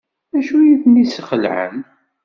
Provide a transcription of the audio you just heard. D acu ay ten-yesxelɛen?